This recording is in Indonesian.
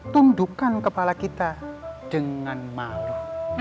tundukkan kepala kita dengan malu